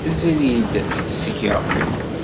Zri-d seg-a.